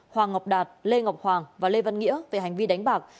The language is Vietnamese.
hoàng ngọc đạt lê ngọc hoàng và lê văn nghĩa về hành vi đánh bạc